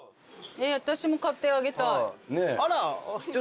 私も買ってあげたい。